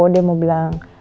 dia mau bilang